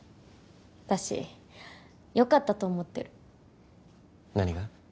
私よかったと思ってる何が？